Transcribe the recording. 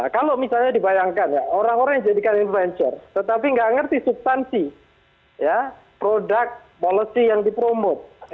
kalau misalnya dibayangkan ya orang orang yang jadikan influencer tetapi nggak ngerti substansi produk policy yang dipromo